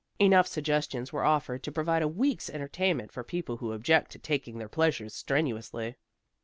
Enough suggestions were offered to provide a week's entertainment for people who object to taking their pleasures strenuously.